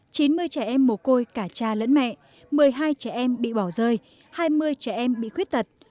chín mươi trẻ em mồ côi cả cha lẫn mẹ một mươi hai trẻ em bị bỏ rơi hai mươi trẻ em bị khuyết tật